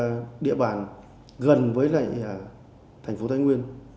các địa bàn gần với lại thành phố thái nguyên